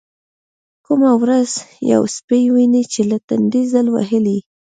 کومه ورځ يو سپى ويني چې له تندې ځل وهلى.